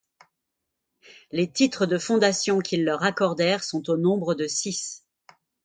Les titres de fondation qu'ils leur accordèrent sont au nombre de six.